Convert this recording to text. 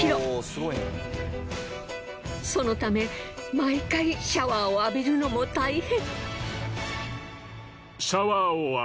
そのため毎回シャワーを浴びるのも大変。